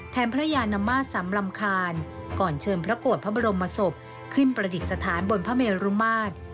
พระยานมาตรสำลำคาญก่อนเชิญพระโกรธพระบรมศพขึ้นประดิษฐานบนพระเมรุมาตร